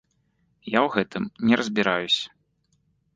Я ў гэтым не разбіраюся.